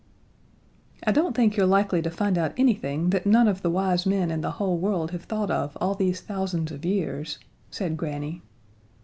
"I don't think you're likely to find out anything that none of the wise men in the whole world have thought of all these thousands of years," said Granny.